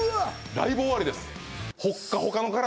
ライブ終わりです